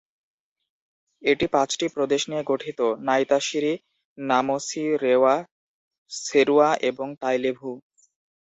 এটি পাঁচটি প্রদেশ নিয়ে গঠিত - নাইতাসিরি, নামোসি, রেওয়া, সেরুয়া এবং তাইলেভু।